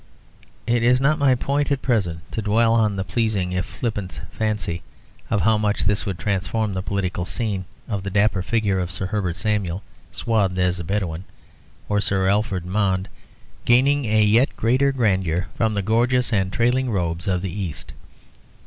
It is not my point at present to dwell on the pleasing if flippant fancy of how much this would transform the political scene; of the dapper figure of Sir Herbert Samuel swathed as a Bedouin, or Sir Alfred Mond gaining a yet greater grandeur from the gorgeous and trailing robes of the East.